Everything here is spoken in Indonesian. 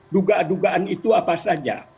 dugaan dugaan itu apa saja